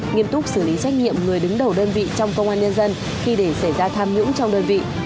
nghiêm túc xử lý trách nhiệm người đứng đầu đơn vị trong công an nhân dân khi để xảy ra tham nhũng trong đơn vị